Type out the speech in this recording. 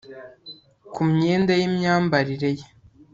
ku myenda yimyambarire ye